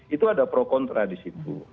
itu ada pro kontra di situ